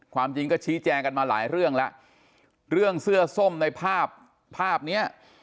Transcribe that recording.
ความจริงก็ชี้แจงกันมาหลายเรื่องแล้วเรื่องเสื้อส้มในภาพภาพเนี้ย